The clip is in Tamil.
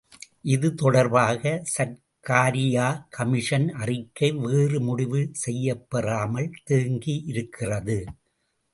இது தொடர்பாக சர்க்காரியா கமிஷன் அறிக்கை வேறு முடிவு செய்யப்பெறாமல் தேங்கியிருக்கிறது.